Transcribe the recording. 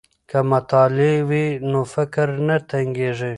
که مطالع وي نو فکر نه تنګیږي.